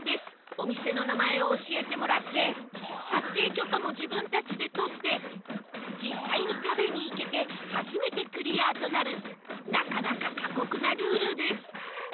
お店の名前を教えてもらって撮影許可も自分たちで取って実際に食べに行けて初めてクリアとなるなかなか過酷なルールです